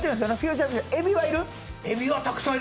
エビはいる？